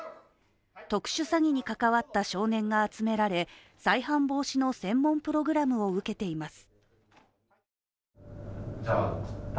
特殊詐欺に関わった少年が集められ再犯防止の専門プログラムを受けています。